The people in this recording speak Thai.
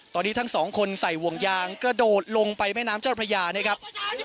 ตอนนี้ทั้งสองคนใส่ห่วงยางกระโดดลงไปแม่น้ำเจ้าพระยานะครับ